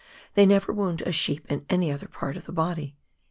They never wound a sheep in any other part of the body.